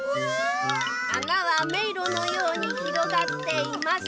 「あなはめいろのようにひろがっています。